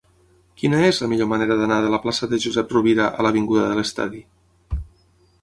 Quina és la millor manera d'anar de la plaça de Josep Rovira a l'avinguda de l'Estadi?